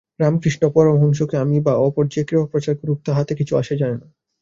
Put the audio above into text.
রামকৃষ্ণ পরমহংসকে আমি বা অপর যে-কেহ প্রচার করুক, তাহাতে কিছু আসে যায় না।